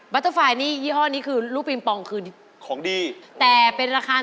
เบกคิดว่าลูกบิงบองเหมือนกัน